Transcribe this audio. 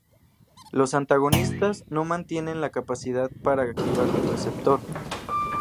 Los antagonistas no mantienen la capacidad para activar un receptor.